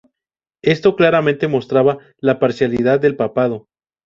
Esto claramente mostraba la parcialidad del papado.